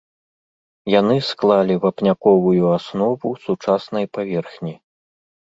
Яны склалі вапняковую аснову сучаснай паверхні.